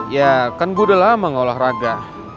ya kan gue udah lama olahraga